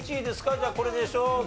じゃあこれでしょ。